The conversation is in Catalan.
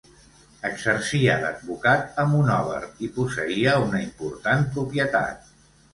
Exercia d'advocat a Monòver i posseïa una important propietat.